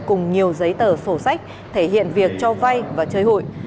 cùng nhiều giấy tờ sổ sách thể hiện việc cho vay và chơi hụi